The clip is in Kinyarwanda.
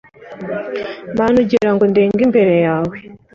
mana ugira ngo ngende imbere yawe